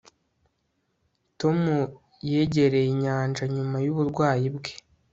tom yegereye inyanja nyuma yuburwayi bwe